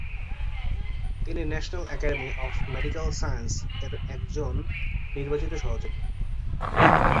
তিনি national academy of medical সায়েন্সের একজন নির্বাচিত সহযোগী।